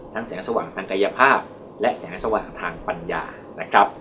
ทั้งแสงสว่างทางกายภาพและแสงสว่างทางปัญญา